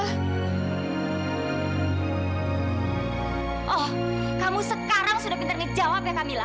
oh kamu sekarang sudah pintar ngejawab ya kak mila